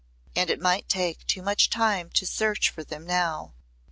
And it might take too much time to search for them now.